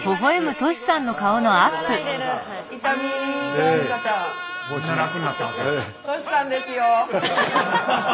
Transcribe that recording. トシさんですよ。